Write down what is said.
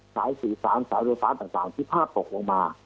สายศึกษางสายโดรการทั้งที่พาดตกลงมา